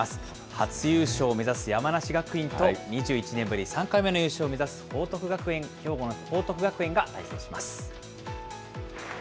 初優勝を目指す山梨学院と、２１年ぶり３回目の優勝を目指す兵庫の報徳学園が対戦します。